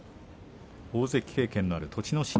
大関経験のある栃ノ